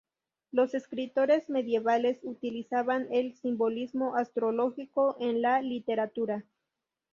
Los escritores medievales utilizaban el simbolismo astrológico en la literatura.